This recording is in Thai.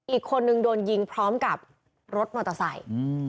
อีกคนนึงโดนยิงพร้อมกับรถมอเตอร์ไซค์